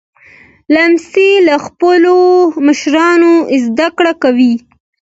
لمسی له خپلو مشرانو زدهکړه کوي.